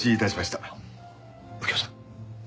右京さん